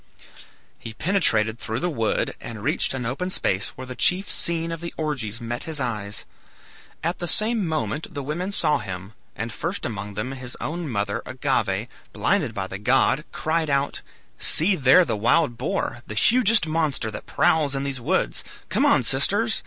He penetrated through the wood and reached an open space where the chief scene of the orgies met his eyes. At the same moment the women saw him; and first among them his own mother, Agave, blinded by the god, cried out, "See there the wild boar, the hugest monster that prowls in these woods! Come on, sisters!